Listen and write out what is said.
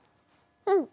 うん。